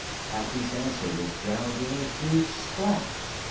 Happy's answer was drowned in a huge splash.